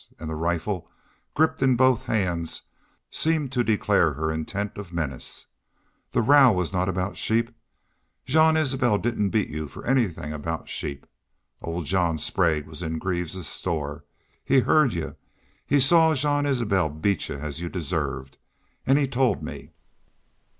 And the rifle, gripped in both hands, seemed to declare her intent of menace. "That row was not about sheep.... Jean Isbel didn't beat y'u for anythin' about sheep.... Old John Sprague was in Greaves's store. He heard y'u. He saw Jean Isbel beat y'u as y'u deserved.... An' he told ME!"